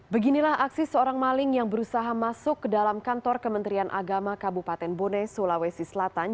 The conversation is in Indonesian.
beginilah aksi seorang maling yang berusaha masuk ke dalam kantor kementerian agama kabupaten bone sulawesi selatan